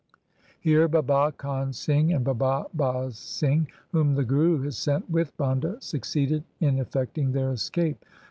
Here Baba Kahn Singh and Baba Baz Singh, whom the Guru had sent with Banda, succeeded in effecting their escape.